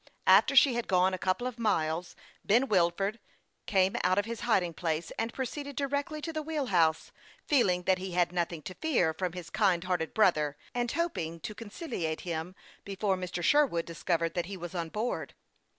After she had gone a couple of miles Ben Wilford came out of his hiding place, and proceeded directly to the wheel house, feeling that he had nothing to fear from his kind hearted brother, and hoping to conciliate him before Mr. Sherwood discovered that he was on board.